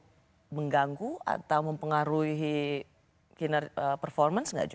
mempengaruhi desi atau sukat wellun peformans enggak jo